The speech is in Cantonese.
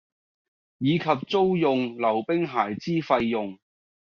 以及租用溜冰鞋之費用